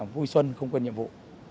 vui xuân không quên nhiệm vụ